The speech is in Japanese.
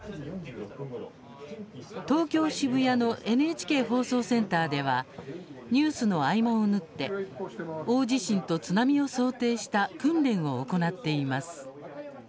東京・渋谷のＮＨＫ放送センターではニュースの合間を縫って大地震と津波を想定した訓練を行っています。